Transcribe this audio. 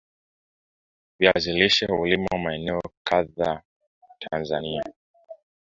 Viazi lishe hulimwa maeneo kadhaa TAnzania